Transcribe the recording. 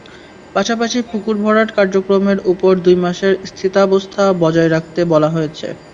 পাশাপাশি পুকুর ভরাট কার্যক্রমের ওপর দুই মাসের স্থিতাবস্থা বজায় রাখতে বলা হয়েছে।